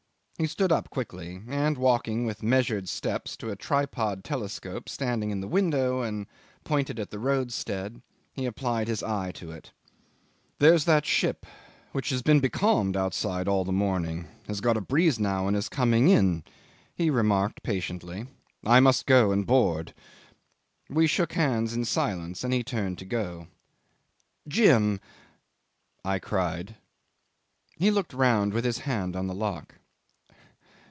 He stood up quickly, and walking with measured steps to a tripod telescope standing in the window and pointed at the roadstead, he applied his eye to it. "There's that ship which has been becalmed outside all the morning has got a breeze now and is coming in," he remarked patiently; "I must go and board." We shook hands in silence, and he turned to go. "Jim!" I cried. He looked round with his hand on the lock.